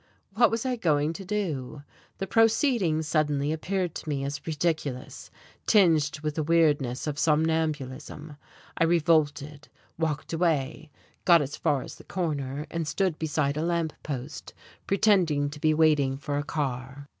What was I going to do? The proceeding suddenly appeared to me as ridiculous, tinged with the weirdness of somnambulism. I revolted, walked away, got as far as the corner and stood beside a lamp post, pretending to be waiting for a car.